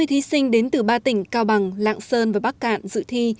hai mươi thí sinh đến từ ba tỉnh cao bằng lạng sơn và bắc cạn dự thi